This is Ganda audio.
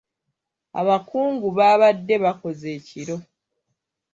Abakungu baabadde bakoze ekiro.